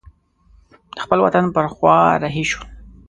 د خپل وطن پر خوا رهي شوی.